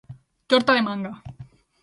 Torta de manga.